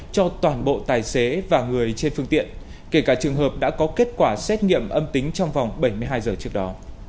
cho toàn bộ tài xế và người trên phương tiện kể cả trường hợp đã có kết quả xét nghiệm âm tính trong vòng bảy mươi hai giờ trước đó